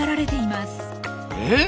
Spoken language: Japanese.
えっ！？